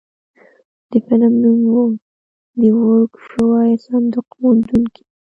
د فلم نوم و د ورک شوي صندوق موندونکي.